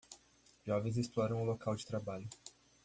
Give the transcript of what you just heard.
Jovens exploram o local de trabalho